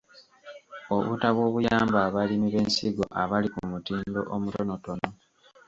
Obutabo obuyamba abalimi b’ensigo abali kumutindo omutonotono.